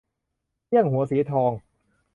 เอี้ยงหัวสีทอง